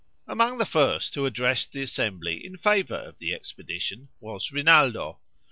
Among the first who addressed the assembly in favor of the expedition, was Rinaldo.